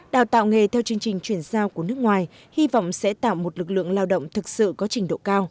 đào tạo nghề theo chương trình chuyển giao của nước ngoài hy vọng sẽ tạo một lực lượng lao động thực sự có trình độ cao